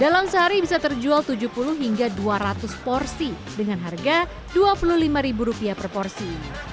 dalam sehari bisa terjual tujuh puluh hingga dua ratus porsi dengan harga rp dua puluh lima per porsi